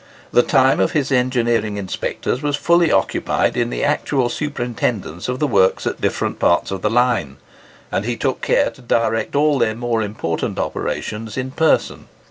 The time of his engineering inspectors was fully occupied in the actual superintendence of the works at different parts of the line; and he took care to direct all their more important operations in person.